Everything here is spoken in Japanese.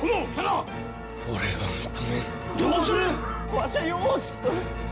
わしはよう知っとる！